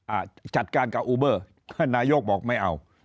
อ่าจัดการกับอูเบอร์ท่านนายกบอกไม่เอา